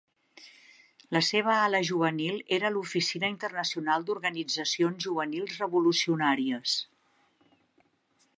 La seva ala juvenil era l'Oficina Internacional d'Organitzacions Juvenils Revolucionàries.